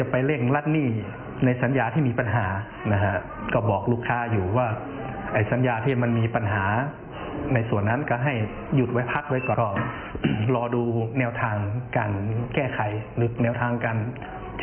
ผลกระทบเป็นยอดมูลหนี้ที่เสียหายประมาณ๒ล้านบาทกับ๕๕๐๐๐บาท